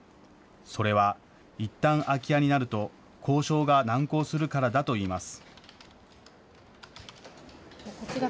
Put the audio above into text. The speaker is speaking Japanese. それは、いったん空き家になると交渉が難航するからだといいます。